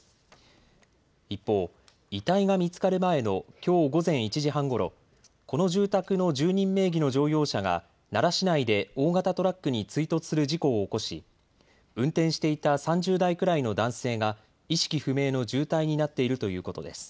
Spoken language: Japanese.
一方、遺体が見つかる前のきょう午前１時半ごろ、この住宅の住人名義の乗用車が奈良市内で大型トラックに追突する事故を起こし、運転していた３０代くらいの男性が意識不明の重体になっているということです。